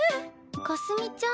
かすみちゃん